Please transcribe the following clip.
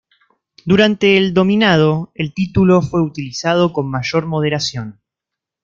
Durante el Dominado, el título fue utilizado con mayor moderación.